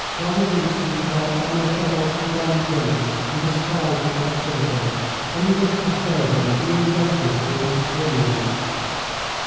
Rogozhinsky felt that Nekhludoff condemned him and despised his activity, and he wished to show him the injustice of his opinions.